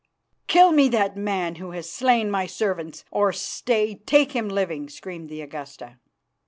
"Kill me that man who has slain my servants, or stay take him living," screamed the Augusta.